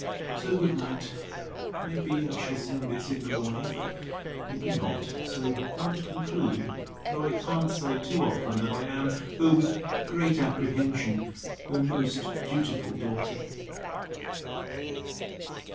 So good night. May be I shall send this in the morning; but may be not; so won't conclude: though I can't say too often, that I am (though with great apprehension) Your most dutiful DAUGHTER.